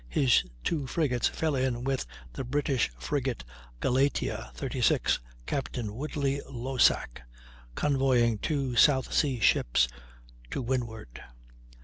his two frigates fell in with the British frigate Galatea, 36, Captain Woodley Losack, convoying two South Sea ships, to windward.